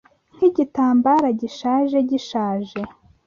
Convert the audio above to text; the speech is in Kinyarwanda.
nkigitambara gishaje gishaje